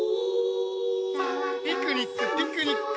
ピクニックピクニック！